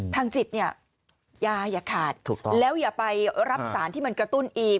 ทางจิตเนี่ยยาอย่าขาดถูกต้องแล้วอย่าไปรับสารที่มันกระตุ้นอีก